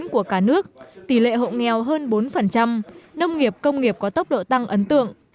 của cả nước tỷ lệ hộ nghèo hơn bốn nông nghiệp công nghiệp có tốc độ tăng ấn tượng